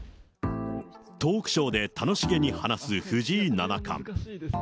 トークショーで楽しげに話す藤井七冠。